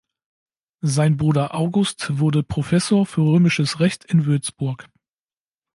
Sein Bruder August wurde Professor für römisches Recht in Würzburg.